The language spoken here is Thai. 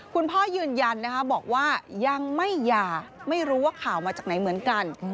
คุณพ่อยืนยันบอกว่ายังไม่ยาไม่รู้ว่าข่าวมาจากไหนเหมือนกัน